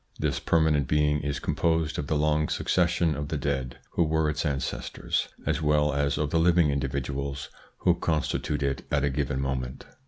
This permanent being is composed of the long succession of the dead who were its ancestors, as well as of the living individuals who constitute it at a given moment.